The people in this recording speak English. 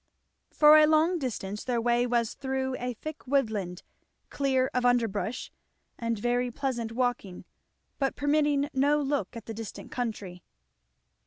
For a long distance their way was through a thick woodland, clear of underbrush and very pleasant walking, but permitting no look at the distant country.